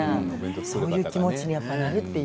そういう気持ちになるという。